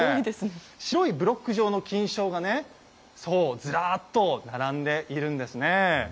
白いブロック状の菌床がずらっと並んでいるんですね。